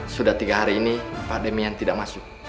sudah tiga hari ini pak demian tidak masuk